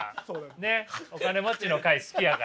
ねっお金持ちの会好きやから。